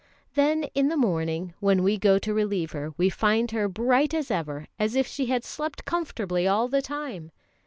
Then in the morning, when we go to relieve her, we find her bright as ever, as if she had slept comfortably all the time.